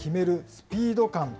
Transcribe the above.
スピード感。